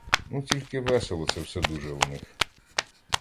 Ну, тільки весело це все дуже у них.